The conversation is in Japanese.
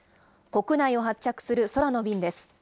国内を発着する空の便です。